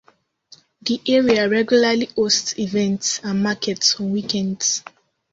The area regularly hosts events and markets on weekends.